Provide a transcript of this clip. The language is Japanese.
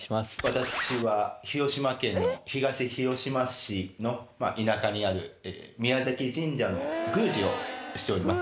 私は広島県の東広島市の田舎にある宮崎神社の宮司をしております